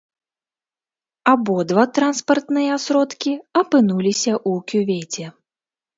Абодва транспартныя сродкі апынуліся ў кювеце.